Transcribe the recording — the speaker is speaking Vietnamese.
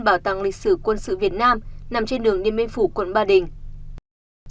bảo tàng lịch sử quân sự việt nam nằm trên đường niên minh phủ quận ba đình